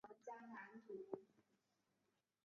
当选热河省承德市邮电局邮电工业劳模。